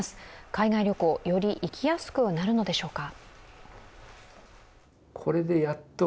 海外旅行、より行きやすくなるのでしょうか？